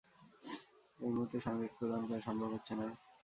এই মুহূর্তে সংযোগ প্রদান করা সম্ভব হচ্ছে না।